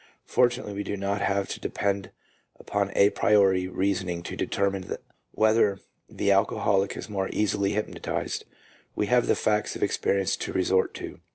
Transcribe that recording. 1 Fortunately, w r e do not have to depend upon a priori reasoning to determine whether the alcoholic is more easily hypnotized — we have the facts of experience to resort to.